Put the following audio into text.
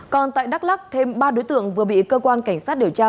còn tại đắk lắc thêm ba đối tượng vừa bị cơ quan cảnh sát điều tra